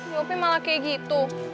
tapi malah kayak gitu